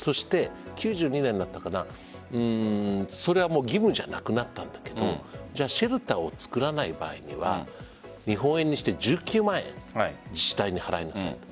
９２年だったかなそれは義務じゃなくなったんだけどシェルターを造らない場合には日本円にして１９万円自治体に払いなさいと。